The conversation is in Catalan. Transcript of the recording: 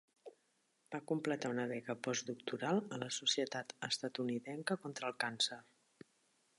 Va completar una beca post-doctoral a la Societat Estatunidenca contra el Càncer.